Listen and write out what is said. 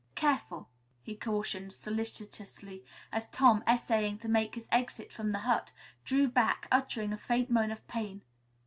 "Careful," he cautioned solicitously, as Tom, essaying to make his exit from the hut, drew back, uttering a faint moan of pain.